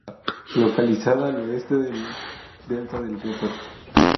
Localizada al oeste del Delta del Río Perla.